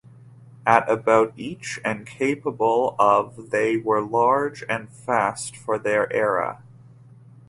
At about each and capable of they were large and fast for their era.